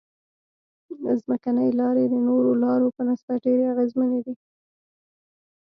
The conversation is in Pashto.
ځمکنۍ لارې د نورو لارو په نسبت ډېرې اغیزمنې دي